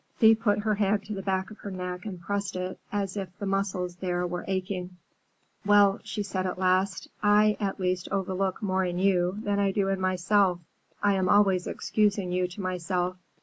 Thea put her hand to the back of her neck and pressed it, as if the muscles there were aching. "Well," she said at last, "I at least overlook more in you than I do in myself. I am always excusing you to myself.